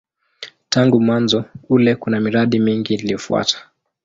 Tangu mwanzo ule kuna miradi mingi iliyofuata.